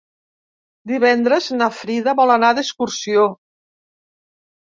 Divendres na Frida vol anar d'excursió.